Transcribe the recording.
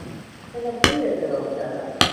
به نکتهای اعتراف کردن